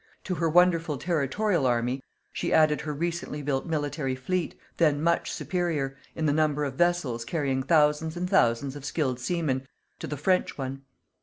To her wonderful territorial army, she added her recently built military fleet, then much superior, in the number of vessels carrying thousands and thousands of skilled seamen, to the French one.